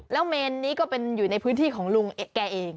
แล้วเมนนี้ก็เป็นอยู่ในพื้นที่ของลุงแกเอง